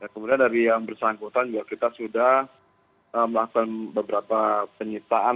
kemudian dari yang bersangkutan juga kita sudah melakukan beberapa penyitaan